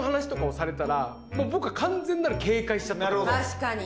確かに。